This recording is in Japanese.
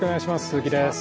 鈴木です。